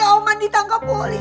oman ditangkep polisi